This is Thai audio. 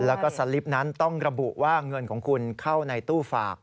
แล้วก็สลิปนั้นต้องระบุว่าเงินของคุณเข้าในตู้ฝาก